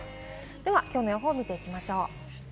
では、きょうの予報を見ていきましょう。